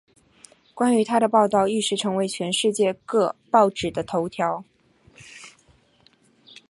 关于她的报道一时成为全世界各报纸的头条。